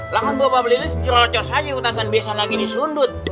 lakon bapak lilis jorocos aja utasan biasa lagi disundut